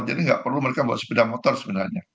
nggak perlu mereka bawa sepeda motor sebenarnya